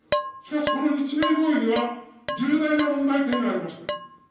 しかしこの日米合意には、重大な問題点がありました。